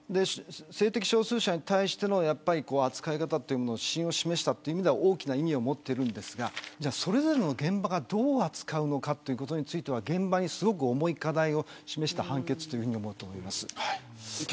性的少数者に対しての扱い方の指針を示したという意味では大きな意味を持っていますがそれぞれの現場が、どう扱うのかということについては現場にすごく重い課題を示した判決だと思います。